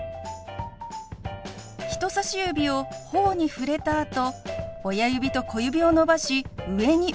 人さし指をほおに触れたあと親指と小指を伸ばし上に動かします。